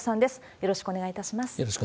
よろしくお願いします。